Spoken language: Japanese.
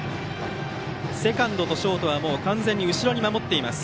セカンドとショートは完全に後ろに守っています。